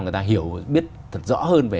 người ta hiểu biết thật rõ hơn về